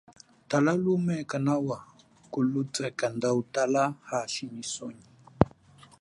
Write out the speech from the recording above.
Tala lume kanawa kulutwe kanda utala hashi nyi sonyi.